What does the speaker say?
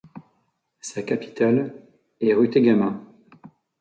Sa capitale est Rutegama.